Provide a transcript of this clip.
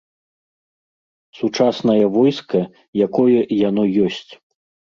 Сучаснае войска, якое яно ёсць.